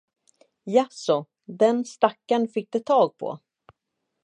Jaså, den stackarn fick de tag på.